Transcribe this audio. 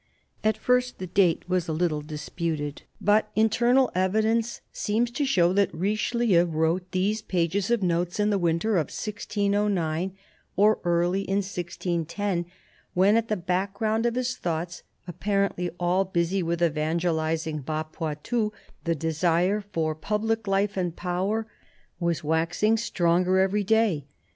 At first the date was a little disputed; but internal evidence seems to show that Richelieu wrote these pages of notes in the winter of 1609, or early in 1610, when at the background of his thoughts, apparently all busy with evangelising Bas Poitou, the desire for public life and power was waxing stronger every day.